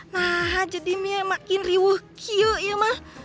nah jadi mie makin riwuh kiu iya mah